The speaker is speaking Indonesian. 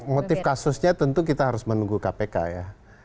motif kasusnya tentu kita harus menunggu kpk ya